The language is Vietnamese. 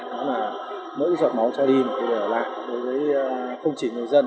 đó là mỗi giọt máu cho đi một cái đời ở lại đối với không chỉ người dân